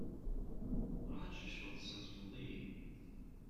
Ruḥ ad tcucfeḍ, tesnezfeḍ-iyi.